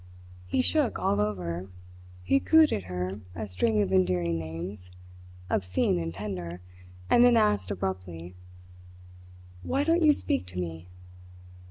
He shook all over; he cooed at her a string of endearing names, obscene and tender, and then asked abruptly: "Why don't you speak to me?"